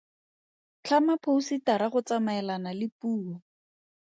Tlhama phousetara go tsamaelana le puo.